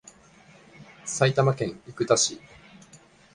埼玉県行田市